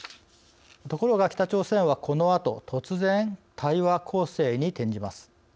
ところが北朝鮮はこのあと突然対話攻勢に転じます。